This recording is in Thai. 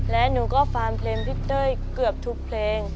และหนูก็ฟังเพลงพี่เต้ยเกือบทุกเพลง